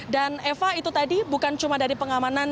dan eva itu tadi bukan cuma dari pengamanan